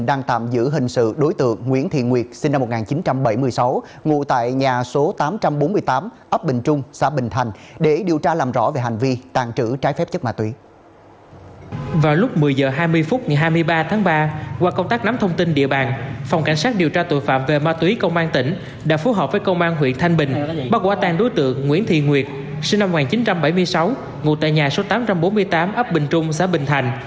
bác quả tàn đối tượng nguyễn thiên nguyệt sinh năm một nghìn chín trăm bảy mươi sáu ngụ tại nhà số tám trăm bốn mươi tám ấp bình trung xã bình thành